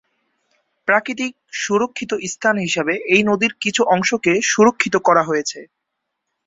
প্রাকৃতিক সুরক্ষিত স্থান হিসেবে এই নদীর কিছু অংশকে সুরক্ষিত করা হয়েছে।